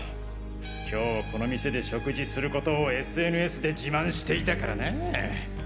今日この店で食事することをＳＮＳで自慢していたからなぁ。